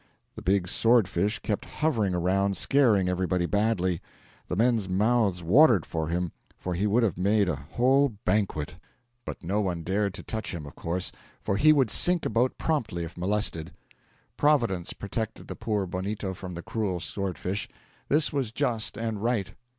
The big sword fish kept hovering around, scaring everybody badly. The men's mouths watered for him, for he would have made a whole banquet; but no one dared to touch him, of course, for he would sink a boat promptly if molested. Providence protected the poor bonito from the cruel sword fish. This was just and right.